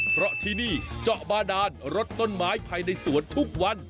เพราะที่นี่เจาะบาดานรดต้นไม้ภายในสวนทุกวัน